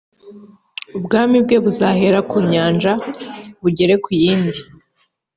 ubwami bwe buzahera ku nyanja bugere ku yindi